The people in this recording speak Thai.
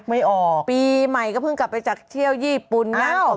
ไม่ออกปีใหม่ก็เพิ่งกลับไปจากเที่ยวญี่ปุ่นนะ